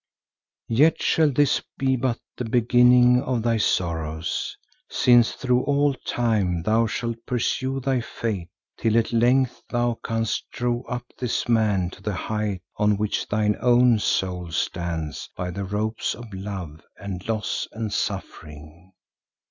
"'Yet shall this be but the beginning of thy sorrows, since through all time thou shalt pursue thy fate till at length thou canst draw up this man to the height on which thine own soul stands by the ropes of love and loss and suffering.